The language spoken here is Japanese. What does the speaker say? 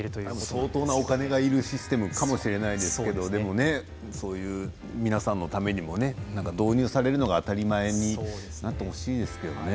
相当なお金がいるシステムかもしれないけれどでもそういう皆さんのためにもね導入されるのが当たり前になってほしいですけどね。